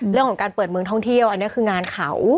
เรื่องของการเปิดเมืองท่องเที่ยวอันนี้คืองานเขา